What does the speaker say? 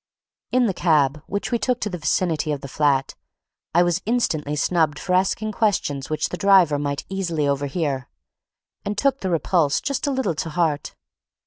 In the cab which we took to the vicinity of the flat, I was instantly snubbed for asking questions which the driver might easily overhear, and took the repulse just a little to heart.